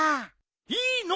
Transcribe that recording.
いいのう！